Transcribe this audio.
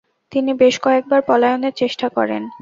তিনি বেশ কয়েকবার পলায়ণের চেষ্টা করেন।